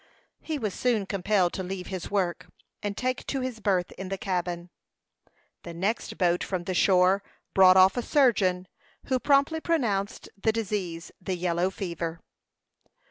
He was soon compelled to leave his work, and take to his berth in the cabin. The next boat from the shore brought off a surgeon, who promptly pronounced the disease the yellow fever.